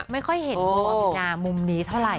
ไม่ค่อยเห็นคุณปรินามุมนี้เท่าไหร